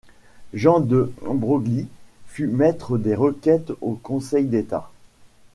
Jean de Broglie fut maître des requêtes au Conseil d'État.